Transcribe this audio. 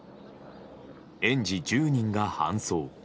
園児１０人が搬送。